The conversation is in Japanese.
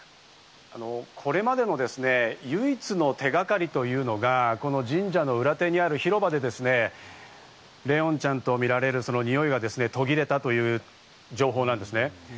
これまでのですね、唯一の手掛かりというのがこの神社の裏手にある広場で、怜音ちゃんとみられる、そのにおいが途切れたという情報なんですね。